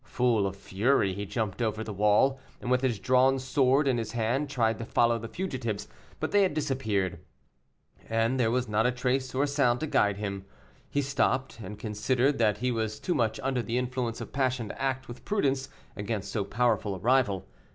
Full of fury, he jumped over the wall, and with his drawn sword in his hand, tried to follow the fugitives, but they had disappeared, and, there was not a trace or a sound to guide him. He stopped, and considered that he was too much under the influence of passion to act with prudence against so powerful a rival.